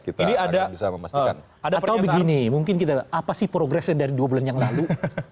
jadi ada atau begini mungkin kita apa sih progresnya dari dua bulan yang lalu